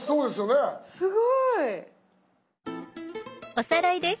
すごい。おさらいです。